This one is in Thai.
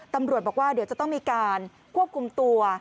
ตำรวจบอกว่าเดี๋ยวจะต้องมีการควบคุมตัว